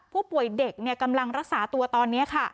ผู้ป่วยเด็กกำลังรักษาตัวตอนนี้ค่ะ